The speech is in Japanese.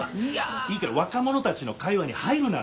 いいから若者たちの会話に入るな！